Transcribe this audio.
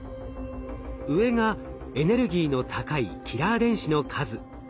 上がエネルギーの高いキラー電子の数。